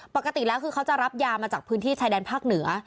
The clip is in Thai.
ปกติแล้วคือเขาจะรับยามาจากพื้นที่ชายแดนภาคเหนือ